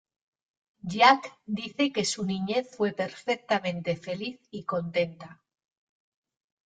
Jack dice que su niñez fue "perfectamente feliz y contenta".